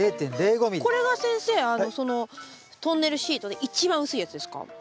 これが先生あのそのトンネルシートで一番薄いやつですか？